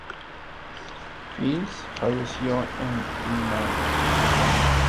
Fils falleció en Mannheim.